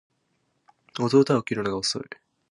弟は起きるのが遅い